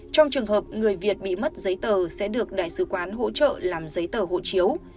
trong trường hợp người việt bị mất giấy tờ sẽ được đại sứ quán hỗ trợ làm giấy tờ hộ chiếu